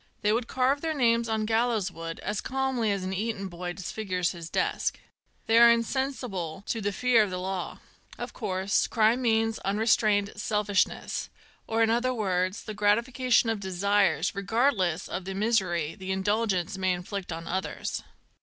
They would carve their names on gallows wood as calmly as an Eton boy disfigures his desk. They are insensible to the fear of the law. Of course, crime means — unrestrained selfishness, or, in other words, the gratification of desires, regardless of the misery the indul gence may inflict on others.